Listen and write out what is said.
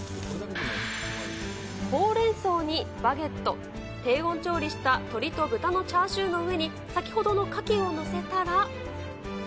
ほうれんそうにバゲット、低温調理した鶏と豚のチャーシューの上に、先ほどのカキを載せたら。